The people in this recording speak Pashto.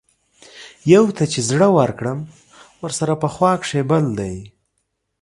يو ته چې زړۀ ورکړم ورسره پۀ خوا کښې بل دے